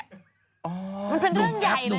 มันเป็นเรื่องใหญ่เลยอ๋ออีกแล้ว